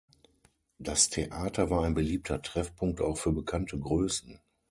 Das Theater war ein beliebter Treffpunkt auch für bekannte Größen.